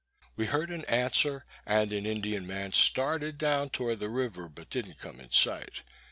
We heard an answer, and an Indian man started down towards the river, but didn't come in sight.